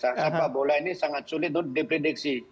siapa boleh ini sangat sulit untuk diprediksi